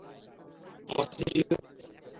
আমার CCTV footage দেখতে হবে।